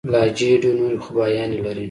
لهجې ډېري نوري خوباياني لري.